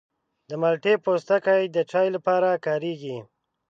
د مالټې پوستکی د چای لپاره کارېږي.